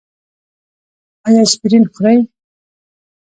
ایا اسپرین خورئ؟